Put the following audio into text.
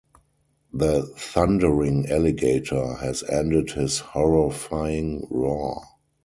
The thundering alligator has ended his horrifying roar.